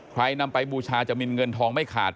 นำไปบูชาจะมีเงินทองไม่ขาด